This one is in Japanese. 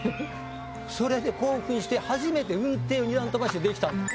それで興奮して初めて雲梯を二段飛ばしでできた。